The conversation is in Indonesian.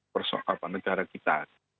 persoalan negara kita